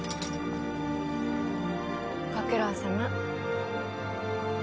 ご苦労さま。